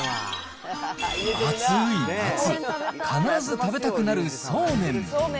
暑い夏、必ず食べたくなるそうめん。